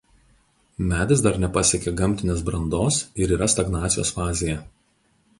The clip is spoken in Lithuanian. Medis dar nepasiekė gamtinės brandos ir yra stagnacijos fazėje.